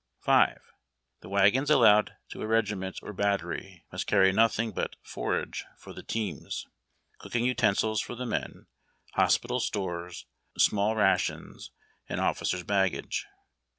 V. The wagons allowed to a regiment or battery must carry nothing but forage for the teams, cooking utensils for the men, hospital stores, small rations, and officers' baggage.